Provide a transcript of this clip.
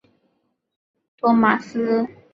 罗素家其他孩子是托马斯。